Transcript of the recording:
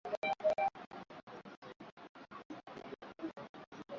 watu wa utawala wa taliban nchini afghanistan